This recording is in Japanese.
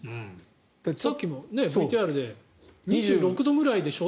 さっきもＶＴＲで２６度ぐらいでしょって。